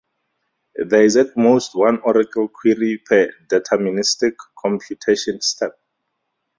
There is at most one oracle query per deterministic computation step.